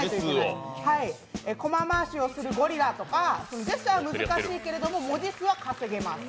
こま回しをするゴリラとかジェスチャーは難しいけれども文字数は稼げます。